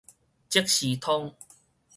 即時通